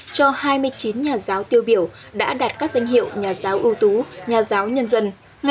cho hai mươi chín nhà giáo tiêu biểu đã đạt các danh hiệu nhà giáo ưu tú nhà giáo nhân dân